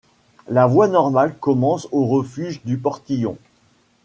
La voie normale commence au refuge du Portillon.